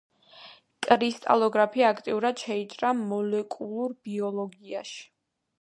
კრისტალოგრაფია აქტიურად შეიჭრა მოლეკულურ ბიოლოგიაში.